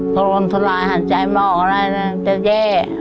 โทรลทัลลายหาดใจไม่ออกอะไรแจ๊แจ๊